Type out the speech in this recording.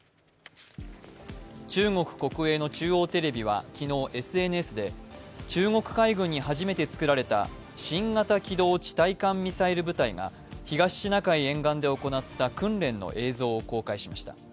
中国国営の中央テレビは昨日ＳＮＳで中国海軍に初めてつくられた新型機動地対艦ミサイル部隊が東シナ海沿岸で行った訓練の映像を公開しました。